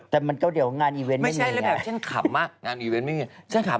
แต่มันก็เดี๋ยวว่างานอีเวนต์ไม่มีไง